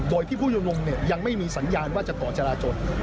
โดยที่ผู้ชุมนุมยังไม่มีสัญญาณว่าจะต่อจราจน